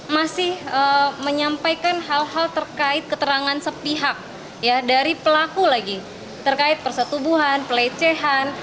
masih menyampaikan hal hal terkait keterangan sepihak dari pelaku lagi terkait persetubuhan pelecehan